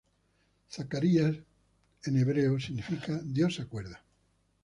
Zacarías, זְכַרְיָה en hebreo, significa "Dios se acuerda".